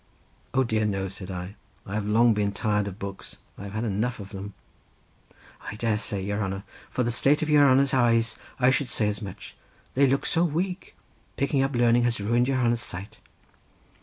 "O dear no," said I; "I have long been tired of books; I have had enough of them." "I dare say, your hanner; from the state of your hanner's eyes I should say as much; they look so weak—picking up learning has ruined your hanner's sight."